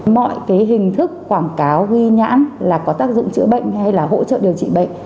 mọi cái hình thức quảng cáo ghi nhãn là có tác dụng chữa bệnh hay là hỗ trợ điều trị bệnh